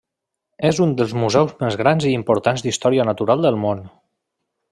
És un dels museus més grans i importants d'història natural del món.